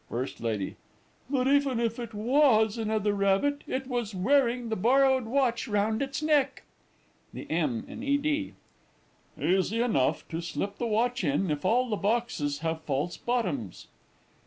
FIRST LADY. But even if it was another rabbit, it was wearing the borrowed watch round its neck. THE M. IN E. D. Easy enough to slip the watch in, if all the boxes have false bottoms.